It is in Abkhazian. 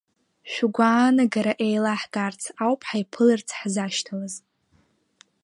Шәгәаанагара еилаҳкаарц ауп ҳаиԥыларц ҳзашьҭалаз.